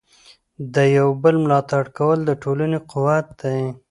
د یو بل ملاتړ کول د ټولنې قوت دی.